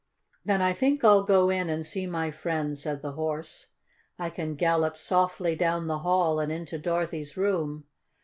"Then I think I'll go in and see my friend," said the Horse. "I can gallop softly down the hall and into Dorothy's room.